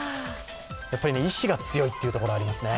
やっぱり意思が強いというところがありますね。